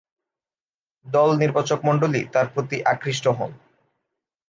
দল নির্বাচকমণ্ডলী তার প্রতি আকৃষ্ট হন।